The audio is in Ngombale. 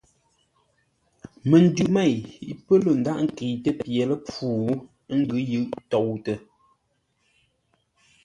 Məndʉ mêi pə̂ lə̂ ndághʼ ńkəitə́ pye ləpfû, ə́ ngʉ́ yʉʼ toutə.